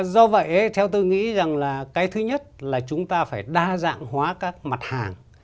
do vậy theo tôi nghĩ rằng là cái thứ nhất là chúng ta phải đa dạng hóa các mặt hàng